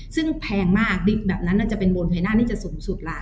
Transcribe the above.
ซึ่งแพงมากดิบแบบนั้นจะเป็นโบนชัยหน้านี่จะสูงสุดล่ะ